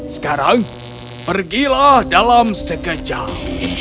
sekarang pergilah dalam sekejap